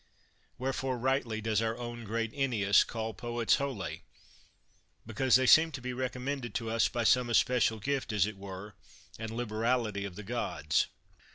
Wherefore rightly does our own great Ennius call poets holy; be cause they seem to be recommended to us by some especial gift, as it were, and liberality of the gods.